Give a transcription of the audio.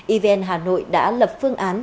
evn hà nội đã lập phương án